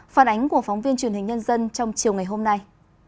phản ánh của phóng viên truyền hình nhân dân trong chiều ngày hôm nay